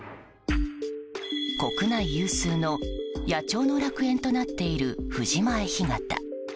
国内有数の野鳥の楽園となっている藤前干潟。